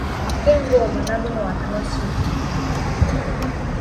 言語を学ぶのは楽しい。